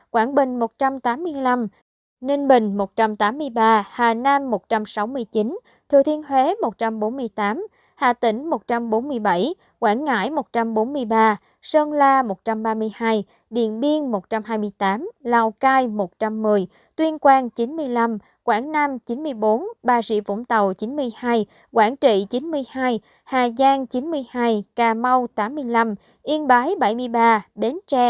quảng bình một trăm tám mươi năm ninh bình một trăm tám mươi ba hà nam một trăm sáu mươi chín thừa thiên huế một trăm bốn mươi tám hà tĩnh một trăm bốn mươi bảy quảng ngãi một trăm bốn mươi ba sơn la một trăm ba mươi hai điện biên một trăm hai mươi tám lào cai một trăm một mươi tuyên quang chín mươi năm quảng nam chín mươi bốn ba sĩ vũng tàu chín mươi hai quảng trị chín mươi hai hà giang chín mươi hai cà mau tám mươi năm yên bái bảy mươi ba đến tre sáu mươi ba